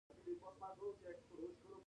ایا ستاسو ټپونه جوړ شوي نه دي؟